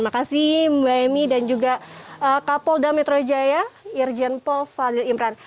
makasih mbak emy dan juga kapolda metro jaya irjenpo fadil imran